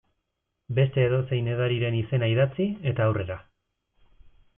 Beste edozein edariren izena idatzi, eta aurrera.